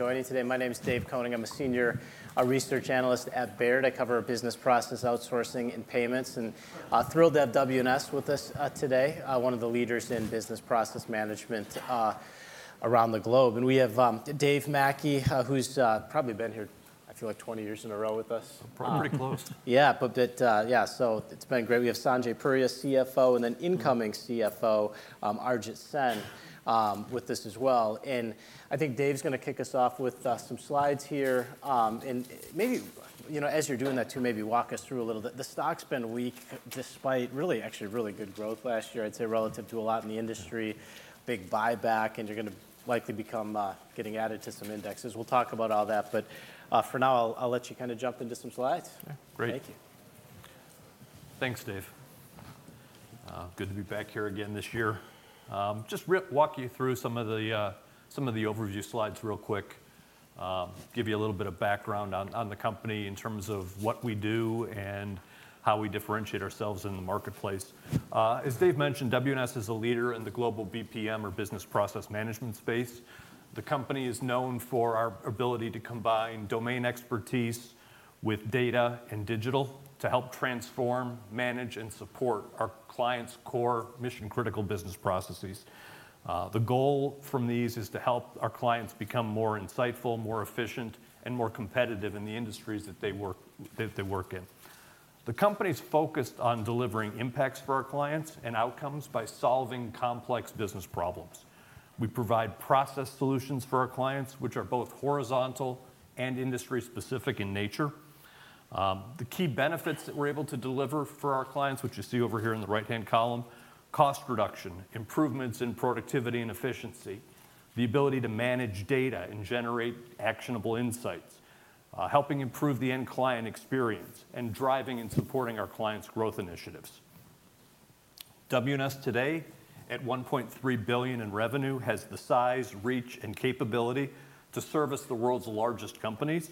Joining today. My name is Dave Koning. I'm a Senior Research Analyst at Baird. I cover business process outsourcing and payments, and thrilled to have WNS with us today, one of the leaders in business process management around the globe. And we have Dave Mackey, who's probably been here. I feel like 20 years in a row with us. Pretty close. Yeah, but it, yeah, so it's been great. We have Sanjay Puria, CFO, and then incoming CFO, Arijit Sen, with us as well. And I think Dave's gonna kick us off with, some slides here. And maybe, you know, as you're doing that too, maybe walk us through a little bit. The stock's been weak, despite really actually really good growth last year, I'd say relative to a lot in the industry, big buyback, and you're gonna likely become, getting added to some indexes. We'll talk about all that, but, for now I'll let you kinda jump into some slides. Great. Thank you. Thanks, Dave. Good to be back here again this year. Just walk you through some of the, some of the overview slides real quick. Give you a little bit of background on, on the company in terms of what we do and how we differentiate ourselves in the marketplace. As Dave mentioned, WNS is a leader in the global BPM or business process management space. The company is known for our ability to combine domain expertise with data and digital, to help transform, manage, and support our clients' core mission-critical business processes. The goal from these is to help our clients become more insightful, more efficient, and more competitive in the industries that they work, that they work in. The company's focused on delivering impacts for our clients and outcomes by solving complex business problems. We provide process solutions for our clients, which are both horizontal and industry-specific in nature. The key benefits that we're able to deliver for our clients, which you see over here in the right-hand column: cost reduction, improvements in productivity and efficiency, the ability to manage data and generate actionable insights, helping improve the end client experience, and driving and supporting our clients' growth initiatives. WNS today, at $1.3 billion in revenue, has the size, reach, and capability to service the world's largest companies.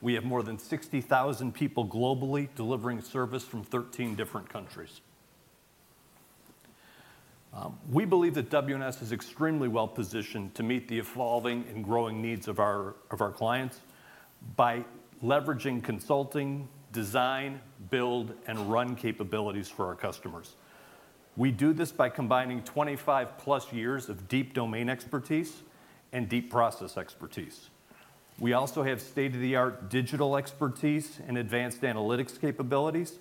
We have more than 60,000 people globally, delivering service from 13 different countries. We believe that WNS is extremely well-positioned to meet the evolving and growing needs of our clients by leveraging consulting, design, build, and run capabilities for our customers. We do this by combining 25+ years of deep domain expertise and deep process expertise. We also have state-of-the-art digital expertise and advanced analytics capabilities,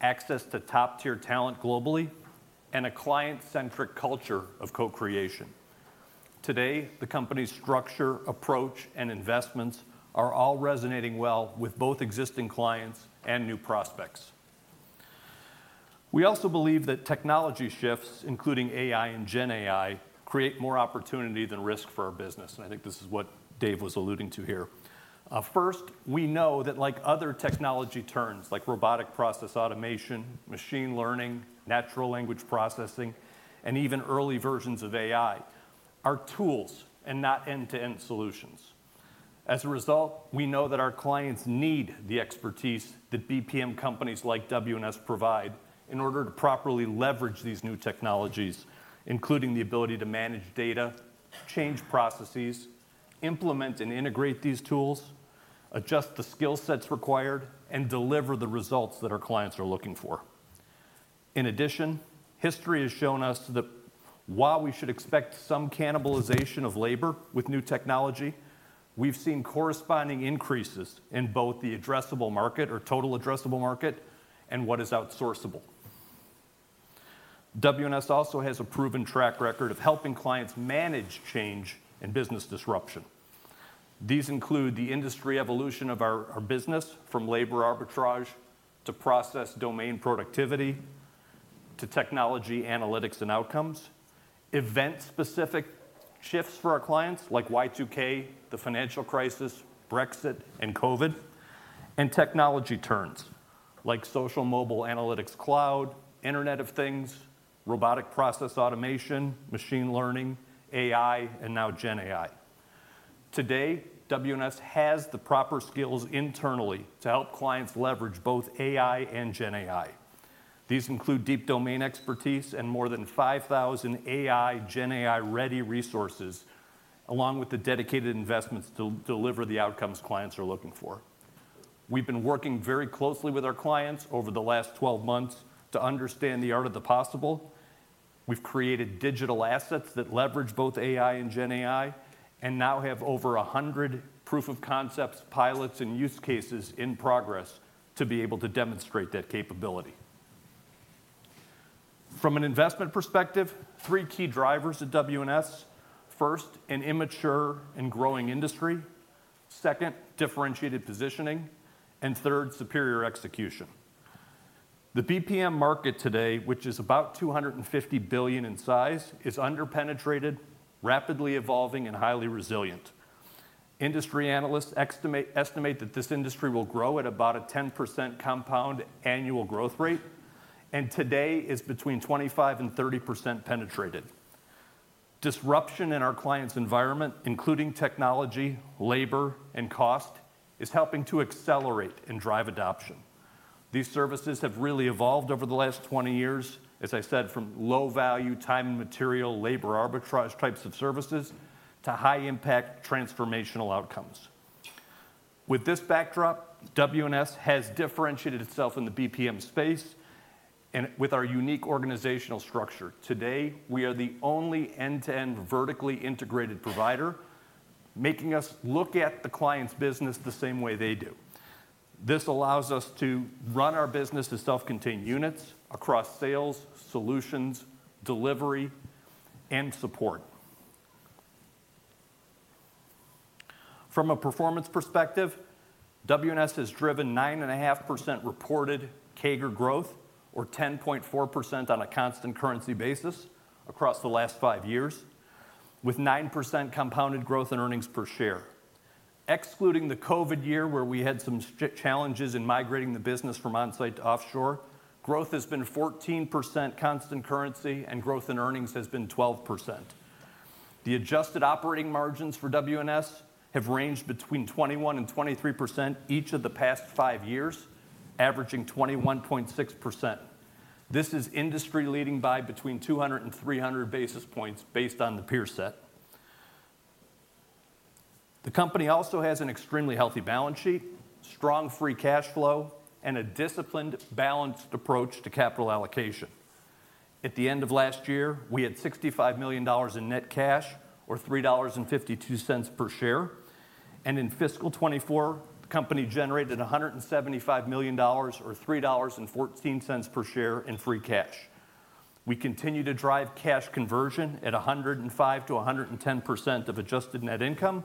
access to top-tier talent globally, and a client-centric culture of co-creation. Today, the company's structure, approach, and investments are all resonating well with both existing clients and new prospects. We also believe that technology shifts, including AI and GenAI, create more opportunity than risk for our business, and I think this is what Dave was alluding to here. First, we know that like other technology terms, like robotic process automation, machine learning, natural language processing, and even early versions of AI, are tools and not end-to-end solutions. As a result, we know that our clients need the expertise that BPM companies like WNS provide in order to properly leverage these new technologies, including the ability to manage data, change processes, implement and integrate these tools, adjust the skill sets required, and deliver the results that our clients are looking for. In addition, history has shown us that while we should expect some cannibalization of labor with new technology, we've seen corresponding increases in both the addressable market or total addressable market and what is outsourceable. WNS also has a proven track record of helping clients manage change and business disruption. These include the industry evolution of our business from labor arbitrage to process domain productivity, to technology, analytics, and outcomes. Event-specific shifts for our clients, like Y2K, the financial crisis, Brexit, and COVID, and technology turns, like Social Mobile Analytics Cloud, Internet of Things, Robotic Process Automation, Machine Learning, AI, and now GenAI. Today, WNS has the proper skills internally to help clients leverage both AI and GenAI. These include deep domain expertise and more than 5,000 AI, GenAI-ready resources, along with the dedicated investments to deliver the outcomes clients are looking for. We've been working very closely with our clients over the last 12 months to understand the art of the possible. We've created digital assets that leverage both AI and GenAI, and now have over 100 proof of concepts, pilots, and use cases in progress to be able to demonstrate that capability. From an investment perspective, three key drivers at WNS: first, an immature and growing industry. Second, differentiated positioning. And third, superior execution. The BPM market today, which is about $250 billion in size, is under-penetrated, rapidly evolving, and highly resilient. Industry analysts estimate that this industry will grow at about a 10% compound annual growth rate, and today is between 25% and 30% penetrated. Disruption in our clients' environment, including technology, labor, and cost, is helping to accelerate and drive adoption... These services have really evolved over the last 20 years, as I said, from low-value, time and material, labor arbitrage types of services to high-impact, transformational outcomes. With this backdrop, WNS has differentiated itself in the BPM space and with our unique organizational structure. Today, we are the only end-to-end, vertically integrated provider, making us look at the client's business the same way they do. This allows us to run our business as self-contained units across sales, solutions, delivery, and support. From a performance perspective, WNS has driven 9.5% reported CAGR growth, or 10.4% on a constant currency basis across the last five years, with 9% compounded growth in earnings per share. Excluding the COVID year, where we had some strict challenges in migrating the business from on-site to offshore, growth has been 14% constant currency, and growth in earnings has been 12%. The adjusted operating margins for WNS have ranged between 21% and 23% each of the past five years, averaging 21.6%. This is industry-leading by between 200 and 300 basis points based on the peer set. The company also has an extremely healthy balance sheet, strong free cash flow, and a disciplined, balanced approach to capital allocation. At the end of last year, we had $65 million in net cash, or $3.52 per share, and in fiscal 2024, the company generated $175 million, or $3.14 per share in free cash. We continue to drive cash conversion at 105%-110% of adjusted net income,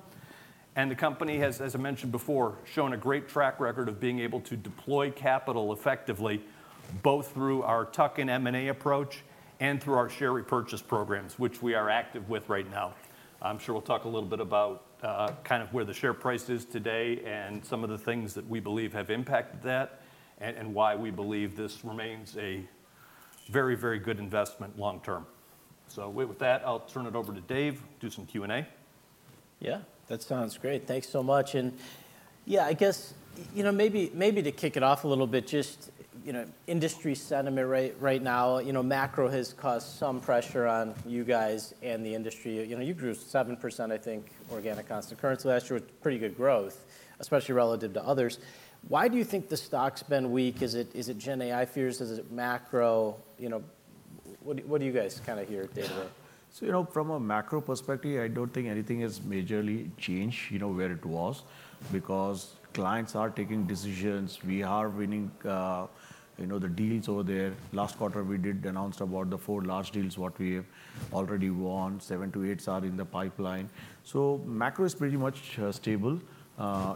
and the company has, as I mentioned before, shown a great track record of being able to deploy capital effectively, both through our tuck-in M&A approach and through our share repurchase programs, which we are active with right now. I'm sure we'll talk a little bit about, kind of where the share price is today and some of the things that we believe have impacted that, and, and why we believe this remains a very, very good investment long term. With that, I'll turn it over to Dave, do some Q&A. Yeah, that sounds great. Thanks so much. Yeah, I guess, you know, maybe, maybe to kick it off a little bit, just, you know, industry sentiment right now, you know, macro has caused some pressure on you guys and the industry. You know, you grew 7%, I think, organic constant currency last year, with pretty good growth, especially relative to others. Why do you think the stock's been weak? Is it, is it GenAI fears? Is it macro? You know, what do, what do you guys kinda hear, David? So, you know, from a macro perspective, I don't think anything has majorly changed, you know, where it was, because clients are taking decisions. We are winning, you know, the deals over there. Last quarter, we did announce about the four large deals, what we have already won. Seven to eight are in the pipeline. So macro is pretty much, stable,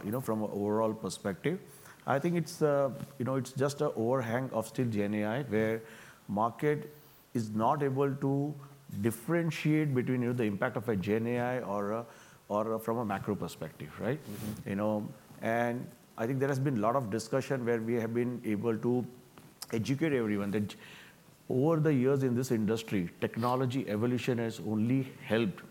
you know, from an overall perspective. I think it's, you know, it's just a overhang of still GenAI, where market is not able to differentiate between, you know, the impact of a GenAI or, or from a macro perspective, right? Mm-hmm. You know, and I think there has been a lot of discussion where we have been able to educate everyone that over the years in this industry, technology evolution has only helped,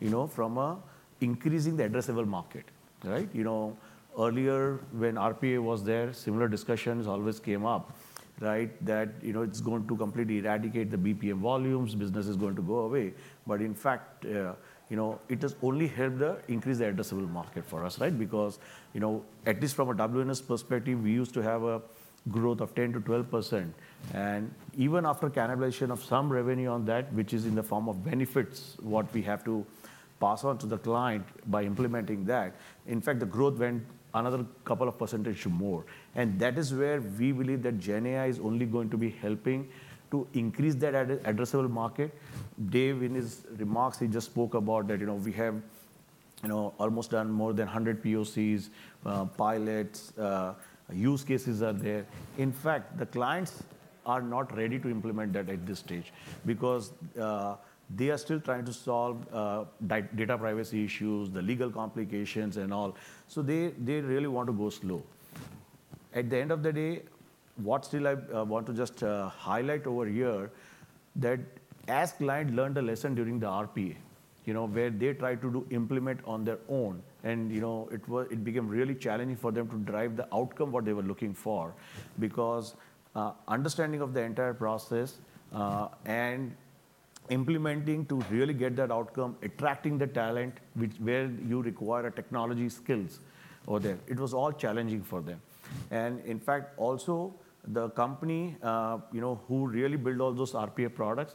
you know, from a increasing the addressable market, right? You know, earlier when RPA was there, similar discussions always came up, right? That, you know, it's going to completely eradicate the BPM volumes, business is going to go away. But in fact, you know, it has only helped to increase the addressable market for us, right? Because, you know, at least from a WNS perspective, we used to have a growth of 10%-12%, and even after cannibalization of some revenue on that, which is in the form of benefits, what we have to pass on to the client by implementing that, in fact, the growth went another couple of percentage more, and that is where we believe that GenAI is only going to be helping to increase that addressable market. Dave, in his remarks, he just spoke about that, you know, we have, you know, almost done more than 100 POCs, pilots, use cases are there. In fact, the clients are not ready to implement that at this stage because they are still trying to solve data privacy issues, the legal complications and all. So they, they really want to go slow. At the end of the day, what still I want to just highlight over here, that as client learned a lesson during the RPA, you know, where they tried to do implement on their own, and, you know, it became really challenging for them to drive the outcome, what they were looking for. Because, understanding of the entire process, and implementing to really get that outcome, attracting the talent, which where you require a technology skills over there, it was all challenging for them. And in fact, also, the company, you know, who really build all those RPA products,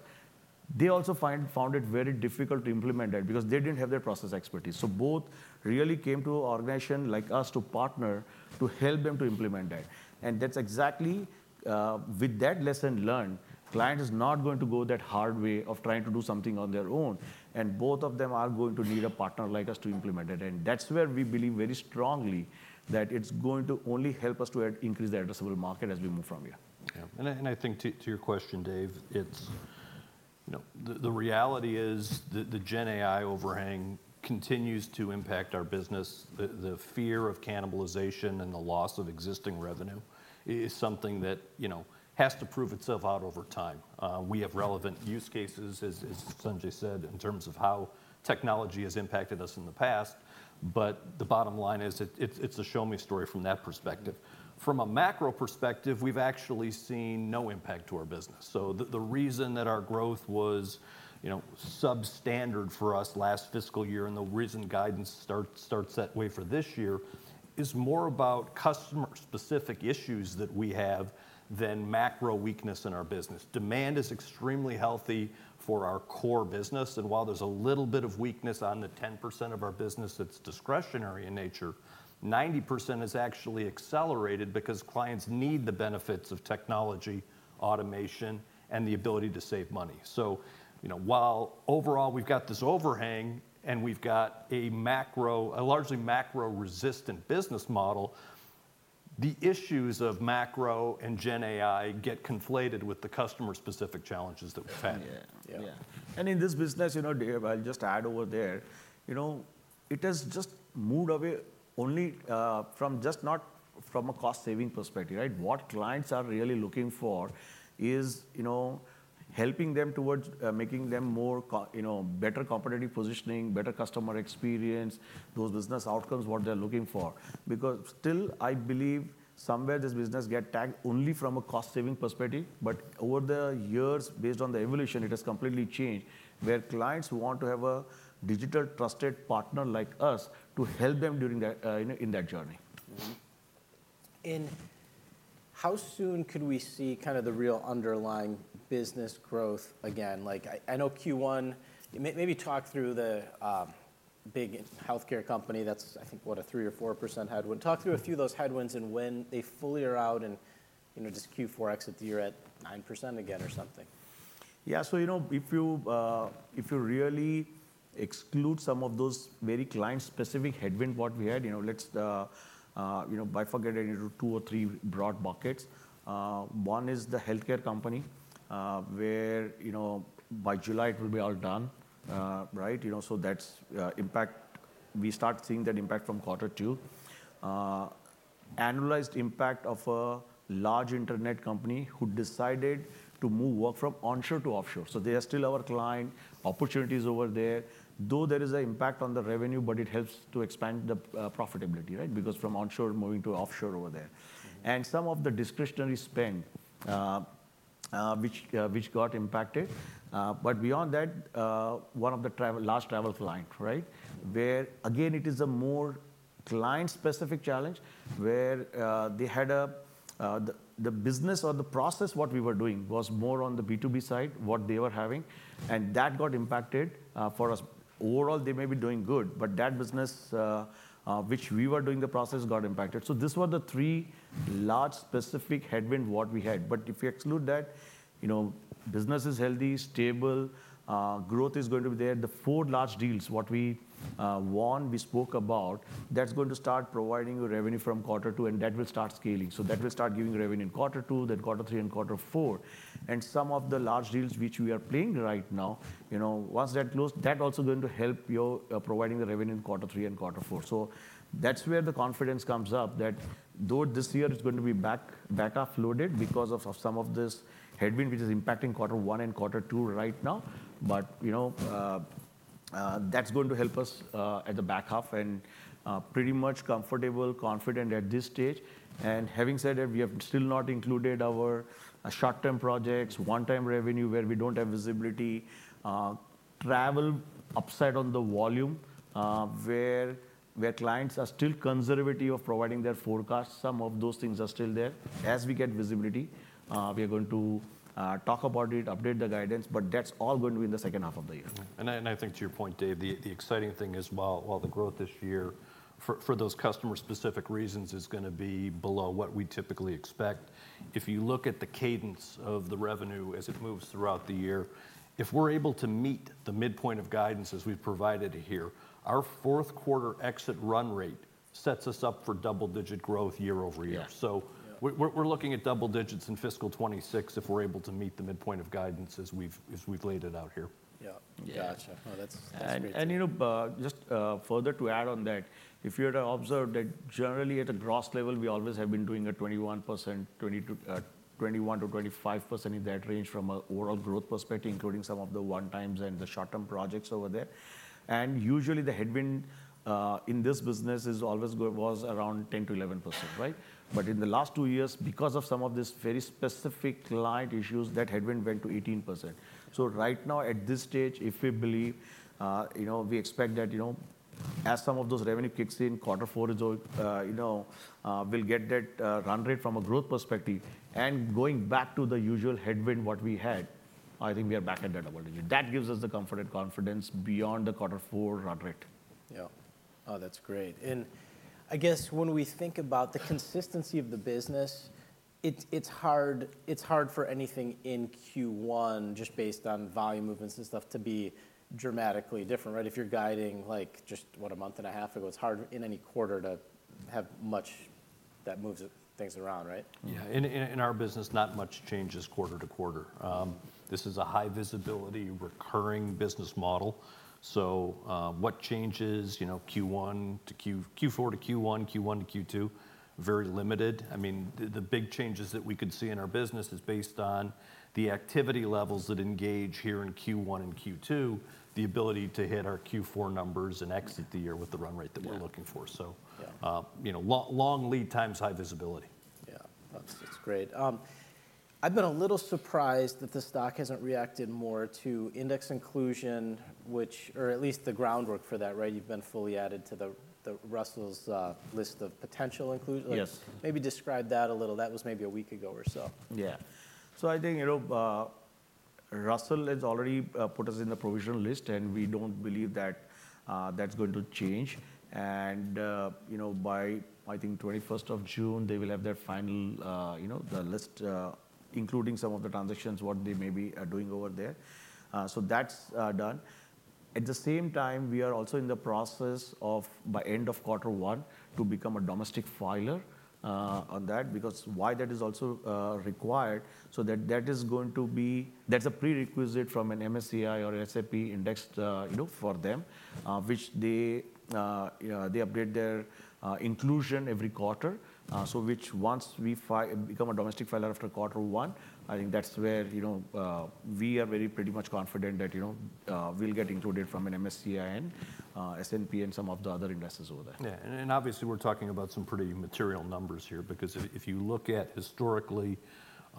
they also found it very difficult to implement that because they didn't have the process expertise. So both really came to organization like us to partner to help them to implement that. That's exactly, with that lesson learned, client is not going to go that hard way of trying to do something on their own, and both of them are going to need a partner like us to implement it. That's where we believe very strongly that it's going to only help us to increase the addressable market as we move from here. Yeah. And I think to your question, Dave, it's, you know, the reality is the GenAI overhang continues to impact our business. The fear of cannibalization and the loss of existing revenue is something that, you know, has to prove itself out over time. We have relevant use cases, as Sanjay said, in terms of how technology has impacted us in the past, but the bottom line is it's a show me story from that perspective. From a macro perspective, we've actually seen no impact to our business. So the reason that our growth was, you know, substandard for us last fiscal year, and the reason guidance starts that way for this year, is more about customer-specific issues that we have than macro weakness in our business. Demand is extremely healthy for our core business, and while there's a little bit of weakness on the 10% of our business that's discretionary in nature, 90% is actually accelerated because clients need the benefits of technology, automation, and the ability to save money. So, you know, while overall we've got this overhang and we've got a macro—a largely macro-resistant business model, the issues of macro and GenAI get conflated with the customer-specific challenges that we've had. Yeah. Yeah. Yeah. And in this business, you know, Dave, I'll just add over there, you know, it has just moved away only from just not from a cost-saving perspective, right? What clients are really looking for is, you know, helping them towards making them more you know, better competitive positioning, better customer experience, those business outcomes, what they're looking for. Because still, I believe somewhere this business get tagged only from a cost-saving perspective, but over the years, based on the evolution, it has completely changed, where clients want to have a digital trusted partner like us to help them during that in that journey. Mm-hmm. And how soon could we see kind of the real underlying business growth again? Like I know Q1... Maybe talk through the big healthcare company, that's, I think, what, a 3%-4% headwind. Talk through a few of those headwinds and when they fully are out and, you know, does Q4 exit the year at 9% again or something? Yeah. So, you know, if you really exclude some of those very client-specific headwind, what we had, you know, let's bifurcate it into two or three broad markets. One is the healthcare company, where, you know, by July it will be all done. Right? You know, so that's impact—we start seeing that impact from quarter two. Annualized impact of a large internet company who decided to move work from onshore to offshore. So they are still our client, opportunities over there, though there is a impact on the revenue, but it helps to expand the profitability, right? Because from onshore moving to offshore over there. Mm-hmm. And some of the discretionary spend, which got impacted. But beyond that, one of the travel, large travel client, right? Where again, it is a more client-specific challenge, where they had the business or the process what we were doing was more on the B2B side, what they were having, and that got impacted for us. Overall, they may be doing good, but that business, which we were doing the process, got impacted. So this were the three large specific headwind, what we had. But if we exclude that, you know, business is healthy, stable, growth is going to be there. The four large deals, what we won, we spoke about, that's going to start providing revenue from quarter two, and that will start scaling. So that will start giving revenue in quarter 2, then quarter 3, and quarter 4. And some of the large deals which we are playing right now, you know, once that closed, that also going to help your providing the revenue in quarter 3 and quarter 4. So that's where the confidence comes up, that though this year is going to be back half loaded because of some of this headwind, which is impacting quarter 1 and quarter 2 right now, but, you know, that's going to help us at the back half and pretty much comfortable, confident at this stage. And having said that, we have still not included our short-term projects, one-time revenue where we don't have visibility, travel upside on the volume, where clients are still conservative of providing their forecasts. Some of those things are still there. As we get visibility, we are going to talk about it, update the guidance, but that's all going to be in the second half of the year. And I think to your point, Dave, the exciting thing is, while the growth this year, for those customer-specific reasons, is gonna be below what we typically expect, if you look at the cadence of the revenue as it moves throughout the year, if we're able to meet the midpoint of guidance as we've provided here, our fourth quarter exit run rate sets us up for double-digit growth year-over-year. Yeah. So- Yeah... we're looking at double digits in fiscal 2026 if we're able to meet the midpoint of guidance as we've laid it out here. Yeah. Yeah. Gotcha. Oh, that's, that's great. You know, just further to add on that, if you're to observe that generally at a gross level, we always have been doing a 21%, 21%-25% in that range from a overall growth perspective, including some of the one-times and the short-term projects over there. And usually, the headwind in this business was always around 10%-11%, right? But in the last two years, because of some of these very specific client issues, that headwind went to 18%. So right now, at this stage, if we believe, you know, we expect that, you know, as some of those revenue kicks in, quarter four is, you know, we'll get that run rate from a growth perspective. Going back to the usual headwind, what we had, I think we are back at that level. That gives us the comfort and confidence beyond the quarter four run rate. Yeah. Oh, that's great. And I guess when we think about the consistency of the business, it's, it's hard, it's hard for anything in Q1, just based on volume movements and stuff, to be dramatically different, right? If you're guiding, like, just, what, a month and a half ago, it's hard in any quarter to have much that moves things around, right? Yeah. In our business, not much changes quarter-to-quarter. This is a high visibility, recurring business model. So, what changes, you know, Q4-Q1, Q1-Q2, very limited. I mean, the big changes that we could see in our business is based on the activity levels that engage here in Q1 and Q2, the ability to hit our Q4 numbers and exit the year with the run rate that we're looking for- Yeah... so, you know, long lead times, high visibility.... That's, that's great. I've been a little surprised that the stock hasn't reacted more to index inclusion, which, or at least the groundwork for that, right? You've been fully added to the Russell's list of potential inclusion. Yes. Maybe describe that a little. That was maybe a week ago or so. Yeah. So I think, you know, Russell has already put us in the provisional list, and we don't believe that that's going to change. You know, by, I think, 21st of June, they will have their final, you know, the list, including some of the transitions, what they maybe are doing over there. So that's done. At the same time, we are also in the process of, by end of quarter 1, to become a domestic filer, on that, because why that is also required, so that, that is going to be... That's a prerequisite from an MSCI or S&P index, you know, for them, which they, you know, they upgrade their inclusion every quarter. Mm-hmm. So once we become a domestic filer after quarter one, I think that's where, you know, we are very pretty much confident that, you know, we'll get included from an MSCI and S&P and some of the other investors over there. Yeah, and, and obviously, we're talking about some pretty material numbers here because if, if you look at historically,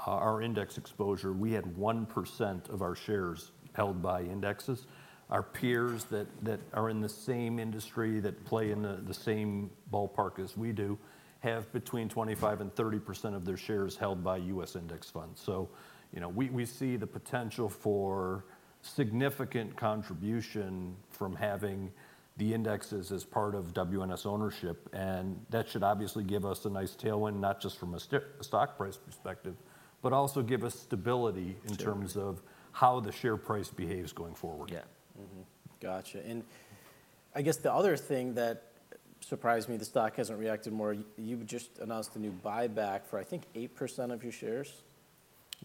our index exposure, we had 1% of our shares held by indexes. Our peers that, that are in the same industry, that play in the, the same ballpark as we do, have between 25%-30% of their shares held by U.S. index funds. So, you know, we, we see the potential for significant contribution from having the indexes as part of WNS ownership, and that should obviously give us a nice tailwind, not just from a stock price perspective, but also give us stability- Stability... in terms of how the share price behaves going forward. Yeah. Mm-hmm. Gotcha. And I guess the other thing that surprised me, the stock hasn't reacted more, you've just announced a new buyback for, I think, 8% of your shares?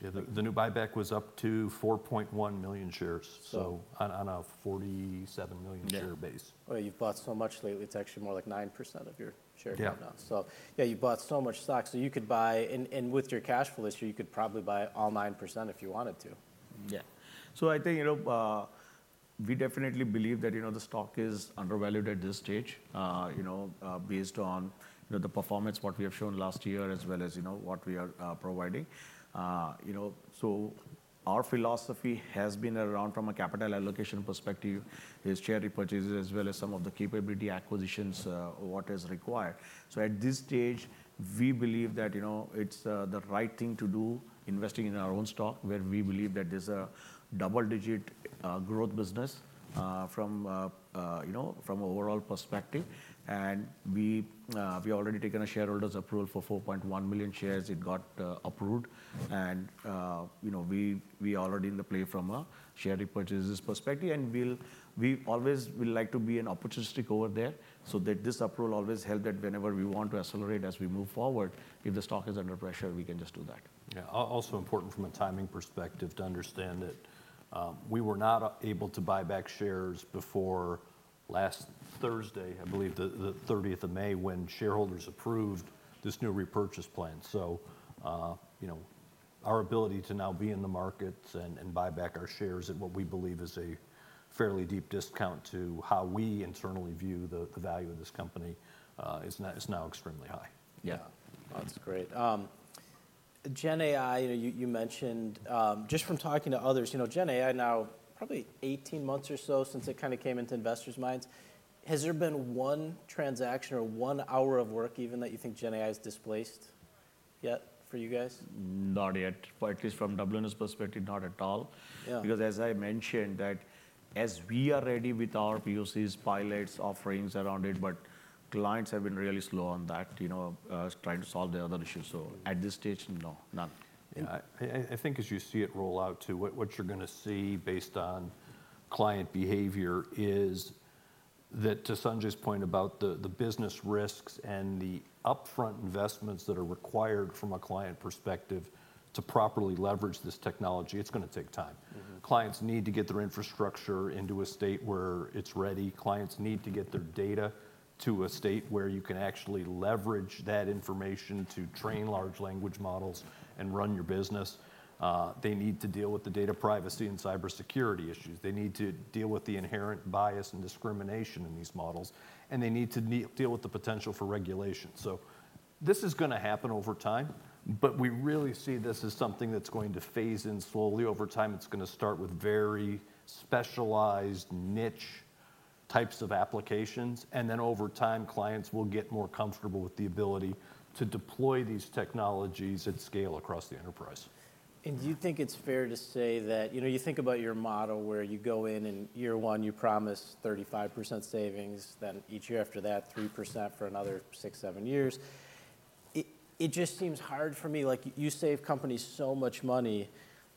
Yeah, the new buyback was up to 4.1 million shares. So- So on a 47 million share base. Yeah. Well, you've bought so much lately, it's actually more like 9% of your shares right now. Yeah. So yeah, you bought so much stock, so you could buy... And with your cash flow this year, you could probably buy all 9% if you wanted to. Yeah. So I think, you know, we definitely believe that, you know, the stock is undervalued at this stage, you know, based on, you know, the performance, what we have shown last year, as well as, you know, what we are providing. You know, so our philosophy has been around from a capital allocation perspective, is share repurchases, as well as some of the capability acquisitions, what is required. So at this stage, we believe that, you know, it's the right thing to do, investing in our own stock, where we believe that there's a double-digit growth business, from you know, from overall perspective. And we already taken a shareholders' approval for 4.1 million shares. It got approved. You know, we already in the play from a share repurchases perspective, and we'll—we always will like to be an opportunistic over there, so that this approval always help that whenever we want to accelerate as we move forward, if the stock is under pressure, we can just do that. Yeah, also important from a timing perspective, to understand that, we were not able to buy back shares before last Thursday, I believe, the thirtieth of May, when shareholders approved this new repurchase plan. So, you know, our ability to now be in the markets and buy back our shares at what we believe is a fairly deep discount to how we internally view the value of this company, is now extremely high. Yeah. That's great. GenAI, you mentioned... Just from talking to others, you know, GenAI now, probably 18 months or so since it kind of came into investors' minds, has there been one transaction or one hour of work even that you think GenAI has displaced yet for you guys? Not yet, or at least from WNS perspective, not at all. Yeah. Because as I mentioned, that as we are ready with our POCs, pilots, offerings around it, but clients have been really slow on that, you know, trying to solve their other issues. So at this stage, no, none. Yeah. I think as you see it roll out too, what you're gonna see based on client behavior is that, to Sanjay's point about the business risks and the upfront investments that are required from a client perspective to properly leverage this technology, it's gonna take time. Mm-hmm. Clients need to get their infrastructure into a state where it's ready. Clients need to get their data to a state where you can actually leverage that information to train large language models and run your business. They need to deal with the data privacy and cybersecurity issues. They need to deal with the inherent bias and discrimination in these models, and they need to deal with the potential for regulation. So this is gonna happen over time, but we really see this as something that's going to phase in slowly over time. It's gonna start with very specialized, niche types of applications, and then over time, clients will get more comfortable with the ability to deploy these technologies at scale across the enterprise. Do you think it's fair to say that, you know, you think about your model, where you go in, in year one, you promise 35% savings, then each year after that, 3% for another 6-7 years. It just seems hard for me, like you save companies so much money,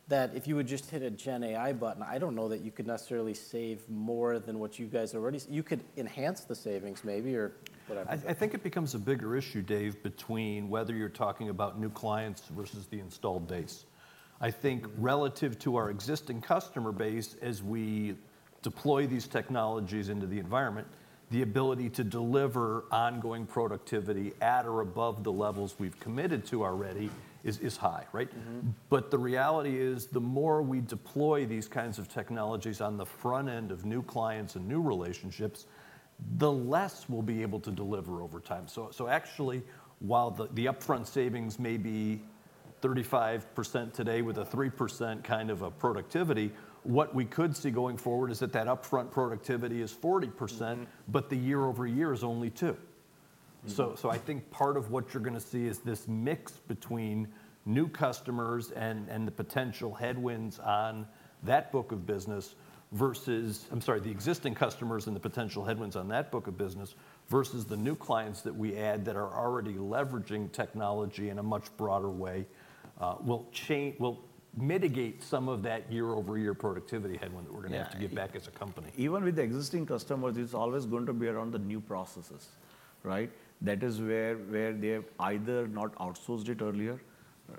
that if you would just hit a GenAI button, I don't know that you could necessarily save more than what you guys already... You could enhance the savings, maybe, or whatever. I think it becomes a bigger issue, Dave, between whether you're talking about new clients versus the installed base. I think relative to our existing customer base, as we deploy these technologies into the environment, the ability to deliver ongoing productivity at or above the levels we've committed to already is high, right? Mm-hmm. But the reality is, the more we deploy these kinds of technologies on the front end of new clients and new relationships, the less we'll be able to deliver over time. So actually, while the upfront savings may be 35% today with a 3% kind of a productivity, what we could see going forward is that that upfront productivity is 40%, but the year-over-year is only 2%. Mm-hmm. I think part of what you're gonna see is this mix between new customers and the potential headwinds on that book of business versus... I'm sorry, the existing customers and the potential headwinds on that book of business, versus the new clients that we add that are already leveraging technology in a much broader way, will mitigate some of that year-over-year productivity headwind that we're gonna have to give back as a company. Even with the existing customers, it's always going to be around the new processes, right? That is where they have either not outsourced it earlier,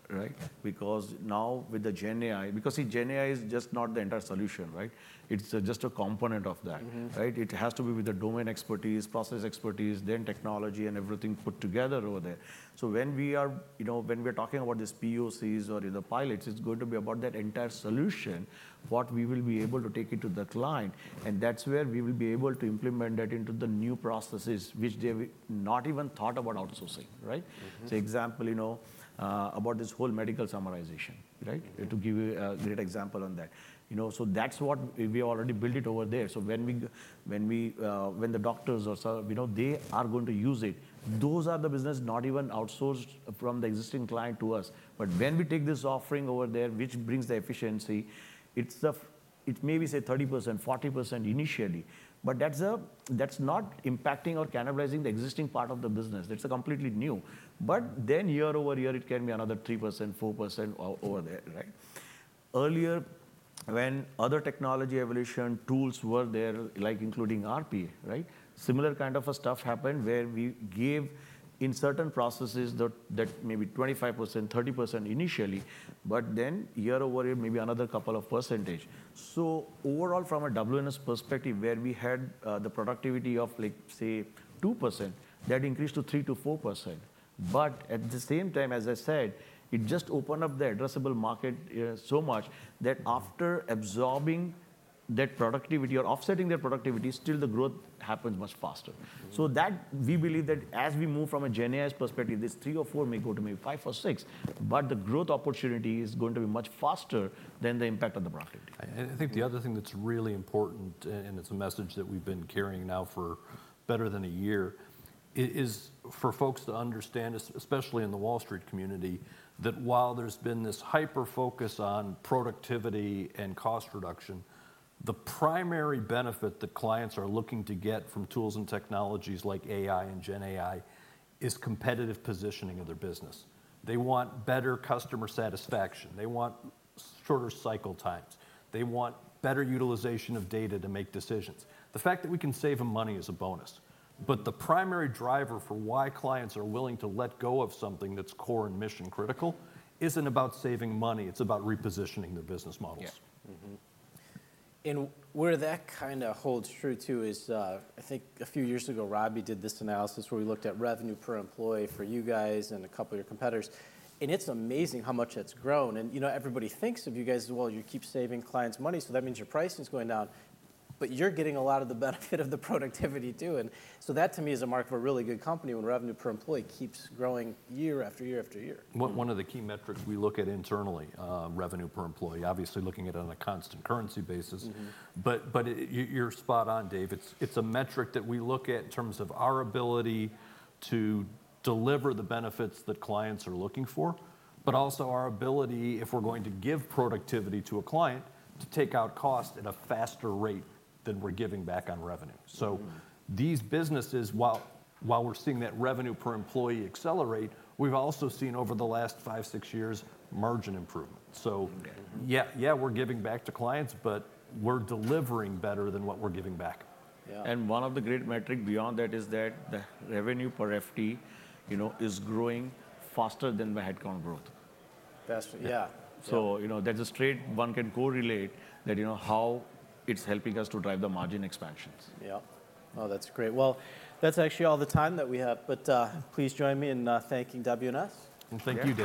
right? Because now with the GenAI, because, see, GenAI is just not the entire solution, right? It's just a component of that. Mm-hmm. Right? It has to be with the domain expertise, process expertise, then technology and everything put together over there. So when we are, you know, when we're talking about these POCs or the pilots, it's going to be about that entire solution, what we will be able to take it to that client, and that's where we will be able to implement that into the new processes, which they have not even thought about outsourcing, right? Mm-hmm. So, example, you know, about this whole medical summarization, right? Mm-hmm. To give you a great example on that. You know, so that's what we already built it over there. So when we, when we, when the doctors or so, you know, they are going to use it, those are the business not even outsourced from the existing client to us. But when we take this offering over there, which brings the efficiency, it's it may be, say, 30%-40% initially, but that's that's not impacting or cannibalizing the existing part of the business. That's completely new. But then year-over-year, it can be another 3%-4% over there, right? Earlier, when other technology evolution tools were there, like including RPA, right, similar kind of a stuff happened where we gave in certain processes that maybe 25%-30% initially, but then year-over-year, maybe another couple of percentage. So overall, from a WNS perspective, where we had, the productivity of, like, say, 2%, that increased to 3%-4%. But at the same time, as I said, it just opened up the addressable market, so much that after absorbing that productivity or offsetting that productivity, still the growth happens much faster. Mm-hmm. So, we believe that as we move from a GenAI perspective, this three or four may go to maybe five or six, but the growth opportunity is going to be much faster than the impact on the productivity. I think the other thing that's really important, and it's a message that we've been carrying now for better than a year, is for folks to understand, especially in the Wall Street community, that while there's been this hyper-focus on productivity and cost reduction, the primary benefit that clients are looking to get from tools and technologies like AI and GenAI is competitive positioning of their business. They want better customer satisfaction. They want shorter cycle times. They want better utilization of data to make decisions. The fact that we can save them money is a bonus, but the primary driver for why clients are willing to let go of something that's core and mission-critical isn't about saving money, it's about repositioning their business models. Yeah. Mm-hmm. And where that kind of holds true, too, is, I think a few years ago, Robbie did this analysis where we looked at revenue per employee for you guys and a couple of your competitors, and it's amazing how much that's grown. And, you know, everybody thinks of you guys as, "Well, you keep saving clients money, so that means your pricing is going down." But you're getting a lot of the benefit of the productivity, too, and so that, to me, is a mark of a really good company when revenue per employee keeps growing year after year after year. One of the key metrics we look at internally, revenue per employee, obviously, looking at it on a constant currency basis. Mm-hmm. But you're spot on, Dave. It's a metric that we look at in terms of our ability to deliver the benefits that clients are looking for, but also our ability, if we're going to give productivity to a client, to take out cost at a faster rate than we're giving back on revenue. Mm-hmm. These businesses, while we're seeing that revenue per employee accelerate, we've also seen over the last five, six years, margin improvement. Mm-hmm. So yeah, yeah, we're giving back to clients, but we're delivering better than what we're giving back. Yeah. One of the great metric beyond that is that the revenue per FTE, you know, is growing faster than the headcount growth. That's... Yeah. So, you know, that's a straight one can correlate that, you know, how it's helping us to drive the margin expansions. Yeah. Oh, that's great. Well, that's actually all the time that we have, but please join me in thanking WNS. Thank you, Dave.